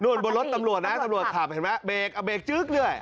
บนรถตำรวจนะตำรวจขับเห็นไหมเบรกเอาเบรกจึ๊กด้วย